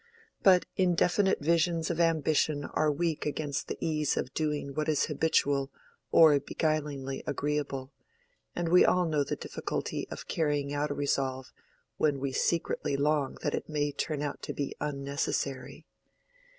But indefinite visions of ambition are weak against the ease of doing what is habitual or beguilingly agreeable; and we all know the difficulty of carrying out a resolve when we secretly long that it may turn out to be unnecessary.